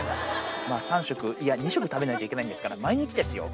まあ、３食、いや、２食食べないといけないんですから、毎日ですよ。